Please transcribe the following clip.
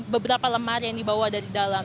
beberapa lemari yang dibawa dari dalam